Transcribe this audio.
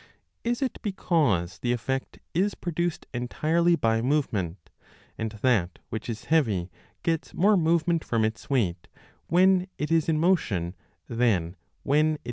Is it because the effect is produced entirely by movement, and that which is heavy gets more move ment from its weight when it is in motion than when it is 1 853 b 1 1.